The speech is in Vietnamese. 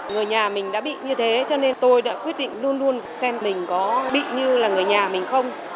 người nhà mình đã bị như thế cho nên tôi đã quyết định luôn luôn xem mình có bị như là người nhà mình không